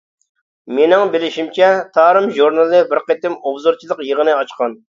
مېنىڭ بىلىشىمچە، تارىم ژۇرنىلى بىر قېتىم ئوبزورچىلىق يىغىنى ئاچقان.